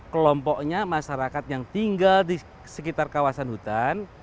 kelompoknya masyarakat yang tinggal di sekitar kawasan hutan